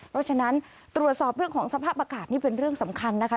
เพราะฉะนั้นตรวจสอบเรื่องของสภาพอากาศนี่เป็นเรื่องสำคัญนะคะ